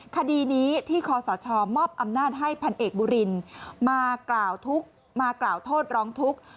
คดีนี้ที่คอสชมอบอำนาจให้พันเอกบุรินมากล่าวโทษร้องทุกษ์